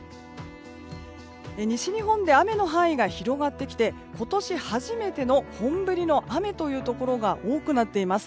西日本で雨の範囲が広がってきて今年初めての本降りの雨というところが多くなっています。